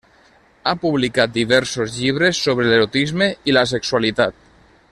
Ha publicat diversos llibres sobre l'erotisme i la sexualitat.